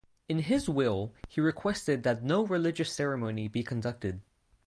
In his will, he requested that no religious ceremony be conducted.